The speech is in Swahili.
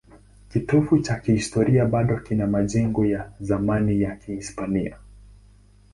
Kitovu cha kihistoria bado kina majengo ya zamani ya Kihispania.